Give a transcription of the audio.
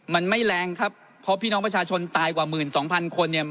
มันไม่แรงครับเพราะพี่น้องประชาชนตายกว่าหมื่นสองพันคนเนี่ย